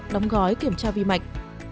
đóng gói kiểm tra vi mạch